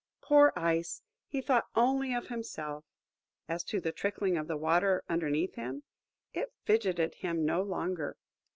Poor Ice! He thought only of himself! As to the trickling of the Water underneath him, it fidgeted him no longer.